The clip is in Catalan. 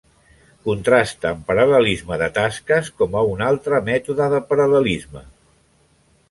Contrasta amb paral·lelisme de tasques com a un altre mètode de paral·lelisme.